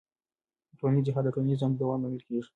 ټولنیز نهاد د ټولنیز نظم د دوام لامل کېږي.